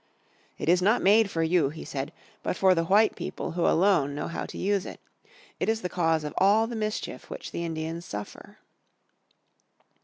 "It is not made for you," he said, "but for the white people who alone know how to use it. It is the cause of all the mischief which the Indians suffer."